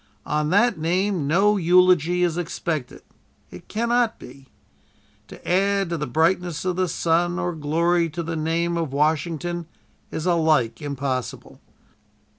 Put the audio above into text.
On that name no eulogy is expected. It cannot be. To add to the brightness of the sun or glory to the name of Washington is alike impossible.